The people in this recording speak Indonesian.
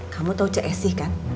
kamu tau cak esy kan